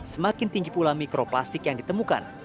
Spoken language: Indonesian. semakin tinggi pula mikroplastik yang ditemukan